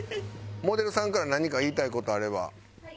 モデルさんから何か言いたい事あれば。